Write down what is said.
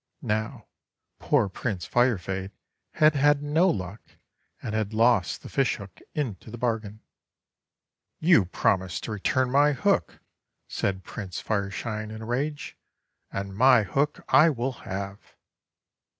Now poor Prince Firefade had had no luck, and had lost the fish hook into the bargain. 'You promised to return my hook," said Prince Fireshine in a rage, "and my hook I will have."